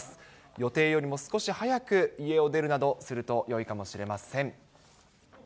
予定よりも少し早く家を出るなどするとよいかもしれません。